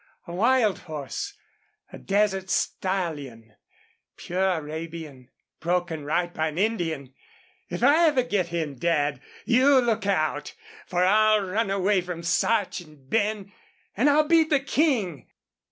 A wild horse a desert stallion pure Arabian broken right by an Indian! If I ever get him, Dad, you look out! For I'll run away from Sarch and Ben and I'll beat the King!"